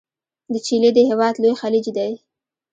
د چیلي د هیواد لوی خلیج دی.